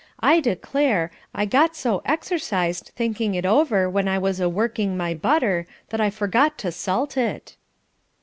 I declare, I got so exercised thinking it over when I was a working my butter, that I forgot to salt it."